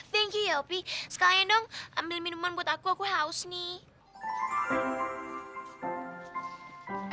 thank youpy sekalian dong ambil minuman buat aku aku haus nih